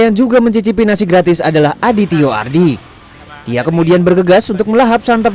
yang juga mencicipi nasi gratis adalah adityo ardi dia kemudian bergegas untuk melahap santap